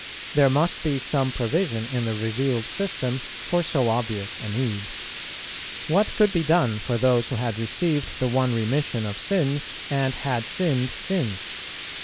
There must be some provision in the revealed system for so obvious a need. What could be done for those who had received the one remission of sins, and had sinned since?